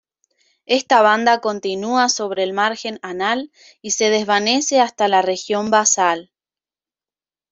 Esta banda continúa sobre el margen anal y se desvanece hasta la región basal.